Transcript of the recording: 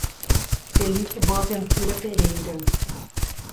Celito Boaventura Pereira